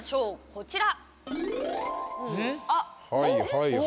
こちら。